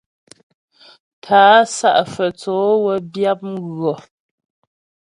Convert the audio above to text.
Tá'a Sá'a Fə́tsǒ wə́ byǎp mghʉɔ.